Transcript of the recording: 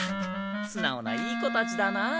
すなおないい子たちだなあ。